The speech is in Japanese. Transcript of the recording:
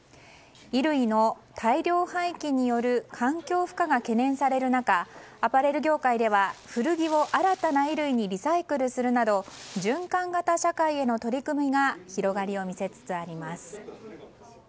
衣類の大量廃棄による環境負荷が懸念される中アパレル業界では古着を新たな衣類にリサイクルするなど循環型社会への取り組みが広がりを見せつつあります。